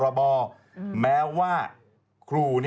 น้องน้องกลัวอย่าไปแจ้งตำรวจดีกว่าเด็ก